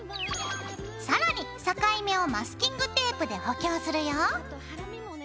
更に境目をマスキングテープで補強するよ。